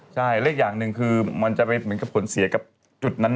ใช่และอีกอย่างหนึ่งคือมันจะไปเหมือนกับผลเสียกับจุดนั้น